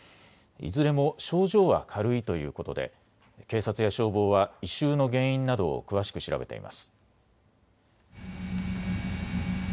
いずれも症状は軽いということで警察や消防は異臭の原因などを詳しく調べています。